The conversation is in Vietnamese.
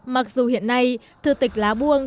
mặc dù hiện nay thư tịch lá buông